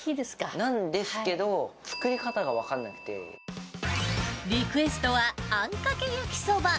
なんですけど、リクエストは、あんかけ焼きそば。